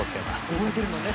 おぼえてるのね